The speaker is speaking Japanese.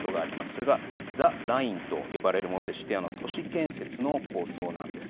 それがザ・ラインと呼ばれるものでして、都市建設の構想なんです。